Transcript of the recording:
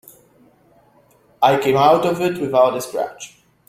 I came out of it without a scratch.